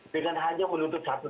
dengan hanya menuntut satu